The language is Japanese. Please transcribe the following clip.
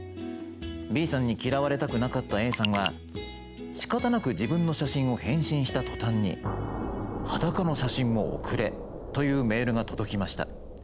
Ｂさんに嫌われたくなかったＡさんはしかたなく自分の写真を返信した途端に「裸の写真も送れ！」というメールが届きました。